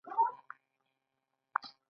پښتانه ځيږه خلګ دي او ځیږې خبري کوي.